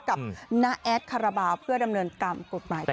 กับนแอดขระบาวเพื่อดำเนินการกฎหมายต่อไป